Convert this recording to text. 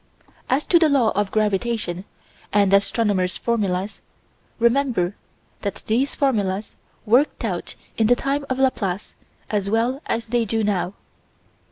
As to the Law of Gravitation, and astronomers' formulas, remember that these formulas worked out in the time of Laplace as well as they do now.